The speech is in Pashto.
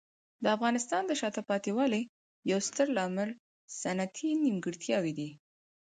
د افغانستان د شاته پاتې والي یو ستر عامل صنعتي نیمګړتیاوې دي.